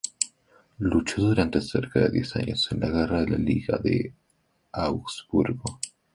Luchó durante cerca de diez años en la Guerra de la Liga de Augsburgo.